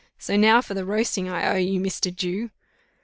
So now for the roasting I owe you, Mr. Jew."